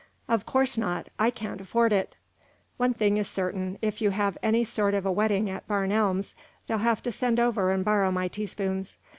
"Of course not; I can't afford it." "One thing is certain. If you have any sort of a wedding at Barn Elms, they'll have to send over and borrow my teaspoons.